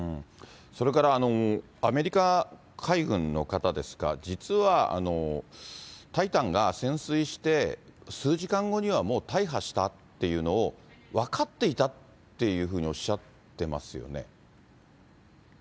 それから、アメリカ海軍の方ですか、実はタイタンが潜水して数時間後にはもう大破したっていうのを分かっていたというふうにおっしゃってますよね。